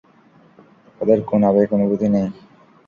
তাদের কোন আবেগ-অনুভূতি নেই।